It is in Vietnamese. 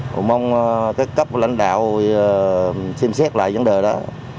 cũng mong các cấp lãnh đạo xem xét lại vấn đề đó